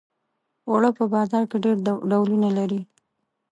اوړه په بازار کې ډېر ډولونه لري